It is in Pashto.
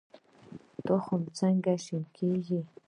تخم څنګه شنه کیږي؟